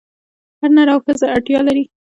هر نر او ښځه اړتیا لري.